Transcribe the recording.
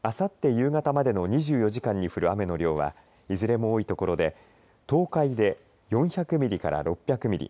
夕方までの２４時間に降る雨の量はいずれも多い所で東海で４００ミリから６００ミリ。